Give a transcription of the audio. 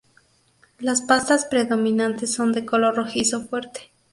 Las pastas predominantes son de color rojizo fuerte.